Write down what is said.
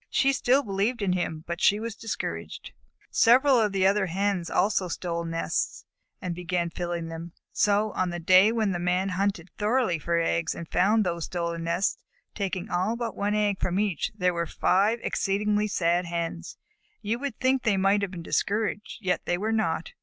She still believed in him, but she was discouraged. Several of the other Hens also stole nests and began filling them, so on the day when the Man hunted very thoroughly for eggs and found these stolen nests, taking all but one egg from each, there were five exceedingly sad Hens. You would think they might have been discouraged, yet they were not.